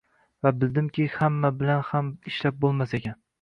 va bildimki, hamma bilan ham ishlab boʻlmas ekan.